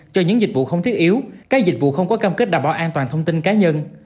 cho những dịch vụ không thiết yếu các dịch vụ không có cam kết đảm bảo an toàn thông tin cá nhân